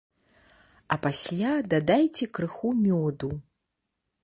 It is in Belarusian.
А пасля дадайце крыху мёду.